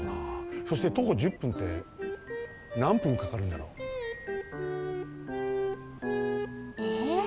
そして徒歩１０分ってなん分かかるんだろう？えっ？